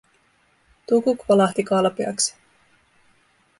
Tukuk valahti kalpeaksi.